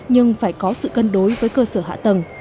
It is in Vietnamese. nhưng phải có sự cân đối với cơ sở hạ tầng